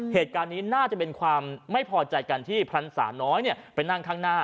เหตุการณ์นี้น่าจะเป็นความไม่พอใจกันที่พรรษาน้อยไปนั่งข้างหน้า